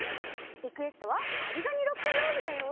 リクエストは「ざりがにロックンロール」だよ！